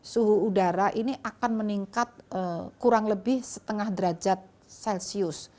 suhu udara ini akan meningkat kurang lebih setengah derajat celcius